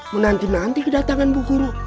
menanti nanti kedatangan bu guru